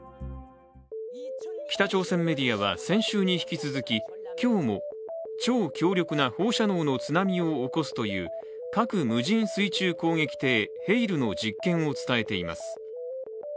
北朝鮮メディアは先週に引き続き、今日も超強力な放射能の津波を起こすという核無人水中攻撃艇「ヘイル」の実験を伝えています。